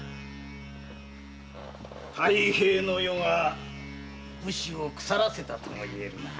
太平の世は武士を腐らせたとも言えるな。